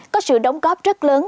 có sự đóng góp rất lớn